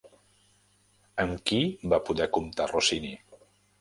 Amb qui va poder comptar Rossini?